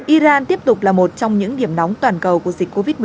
iran tiếp tục là một trong những điểm nóng toàn cầu của dịch covid một mươi chín